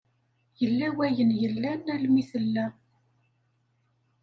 Yella wayen yellan almi tella.